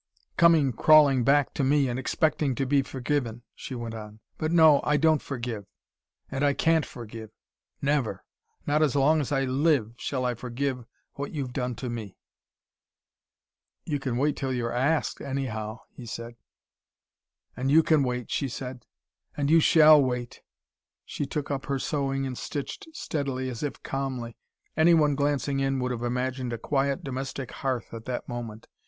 "Coming crawling back to me, and expecting to be forgiven," she went on. "But no I don't forgive and I can't forgive never not as long as I live shall I forgive what you've done to me." "You can wait till you're asked, anyhow," he said. "And you can wait," she said. "And you shall wait." She took up her sewing, and stitched steadily, as if calmly. Anyone glancing in would have imagined a quiet domestic hearth at that moment.